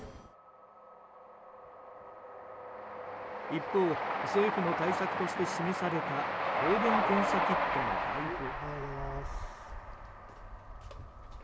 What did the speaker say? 一方政府の対策として示された抗原検査キットの配布。